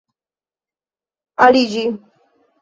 aliĝi